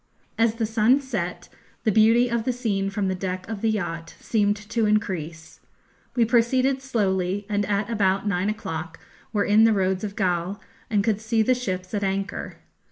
As the sun set, the beauty of the scene from the deck of the yacht seemed to increase. We proceeded slowly, and at about nine o'clock were in the roads of Galle and could see the ships at anchor.